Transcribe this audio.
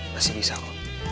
masih bisa kok